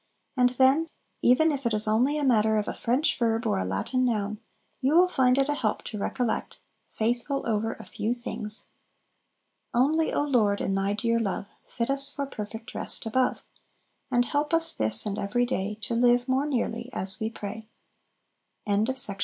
And then, even if it is only a matter of a French verb or a Latin noun, you will find it a help to recollect, "Faithful over a few things!" "Only, O Lord, in Thy dear love Fit us for perfect rest above; And help us, this and every day, To live more nearly as we pray." 8. Eighth Day.